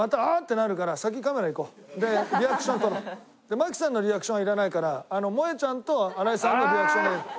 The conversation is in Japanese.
槙さんのリアクションはいらないからもえちゃんと新井さんのリアクション。